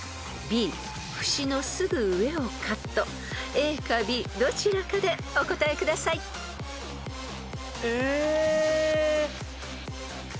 ［ＡかＢどちらかでお答えください］え。